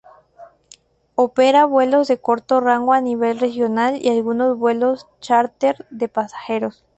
Opera vuelos de corto rango a nivel regional y algunos vuelos chárter de pasajeros.